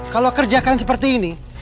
kalau kerja kalian seperti ini